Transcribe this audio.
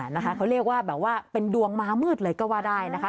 นะคะเขาเรียกว่าแบบว่าเป็นดวงม้ามืดเลยก็ว่าได้นะคะ